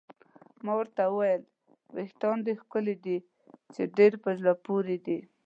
ما ورته وویل: وریښتان دې ښکلي دي، چې ډېر په زړه پورې دي.